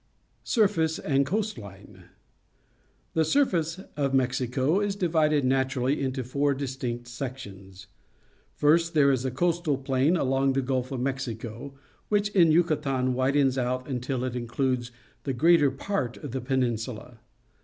Surface and Coast line. — The surface of Mexico is divided naturally into four distinct sections. First, there is the coastal plain along the Gulf of Mexico, which in Yucatan widens out until it includes the greater part of the peninsula.